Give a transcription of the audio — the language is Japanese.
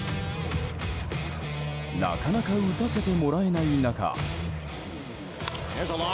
なかなか打たせてもらえない中。